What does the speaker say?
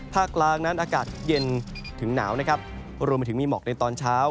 กลางนั้นอากาศเย็นถึงหนาวนะครับรวมไปถึงมีหมอกในตอนเช้า